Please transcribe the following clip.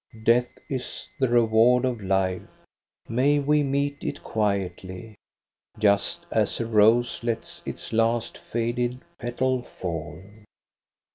Death is the reward of life ; may we meet it quietly, Just as a rose lets its last faded petal fall.